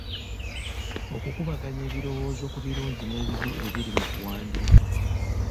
Okukubaganya ebirowoozo ku birungi n'ebibi ebiri mu kuwandiika